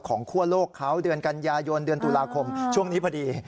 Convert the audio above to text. คั่วโลกเขาเดือนกันยายนเดือนตุลาคมช่วงนี้พอดี